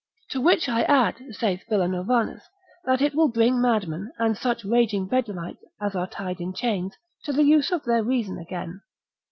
To which I add, saith Villanovanus, that it will bring madmen, and such raging bedlamites as are tied in chains, to the use of their reason again.